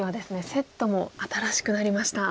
セットも新しくなりました。